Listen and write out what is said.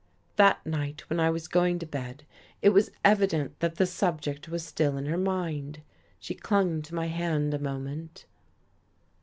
That night, when I was going to bed, it was evident that the subject was still in her mind. She clung to my hand a moment.